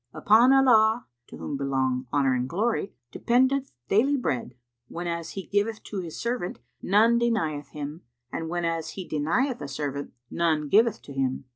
Upon Allah (to whom belong Honour and Glory!) dependeth daily bread! Whenas He giveth to His servant, none denieth him; and whenas He denieth a servant, none giveth to him."